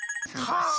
はあ！